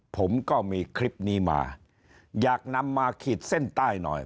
ผมก็มีคลิปนี้มาอยากนำมาขีดเส้นใต้หน่อย